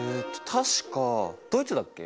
確かドイツだっけ？